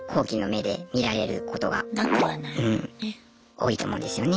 多いと思うんですよね。